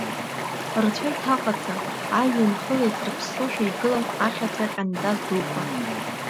Рцәа иҭаҟаца, ажәҩан хыла иҵрыԥссошәа игылан ахьаца ҟьантаз дуқәа.